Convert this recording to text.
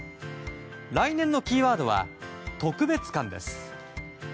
来年のキーワードは特別感です。